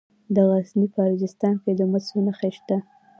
د غزني په اجرستان کې د مسو نښې شته.